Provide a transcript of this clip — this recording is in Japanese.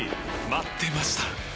待ってました！